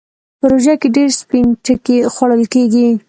په روژه کې ډېر سپين ټکی خوړل کېږي.